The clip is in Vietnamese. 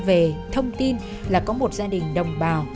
về thông tin là có một gia đình đồng bào